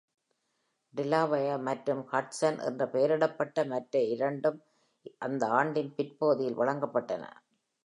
"Delaware" மற்றும் " Hudson " என்று பெயரிடப்பட்ட மற்ற இரண்டும் அந்த ஆண்டின் பிற்பகுதியில் வழங்கப்பட்டன.